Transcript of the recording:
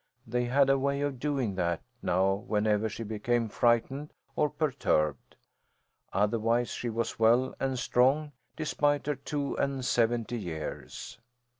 They had a way of doing that now whenever she became frightened or perturbed. Otherwise, she was well and strong despite her two and seventy years.